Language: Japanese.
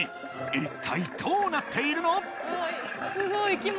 一体どうなっているの？